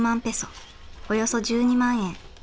およそ１２万円。